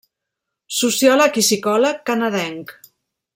Sociòleg i psicòleg canadenc.